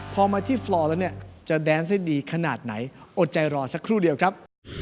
พอมาที่ฟลอร์แล้วเนี่ยจะแดนซ์ได้ดีขนาดไหนอดใจรอสักครู่เดียวครับ